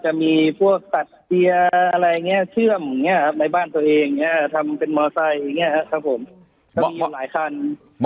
จะมีพวกตัดเตียร์อะไรเชื่อมในบ้านตัวเองทำเป็นมอเตอร์ไซค์เนี่ยครับผม